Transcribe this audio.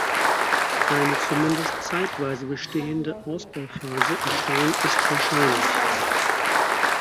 Eine zumindest zeitweise bestehende Ausbauphase in Stein ist wahrscheinlich.